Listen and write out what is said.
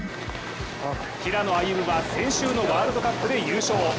平野歩夢は先週のワールドカップで優勝。